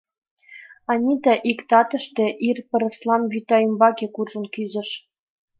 Анита ик татыште ир пырысла вӱта ӱмбаке куржын кӱзыш.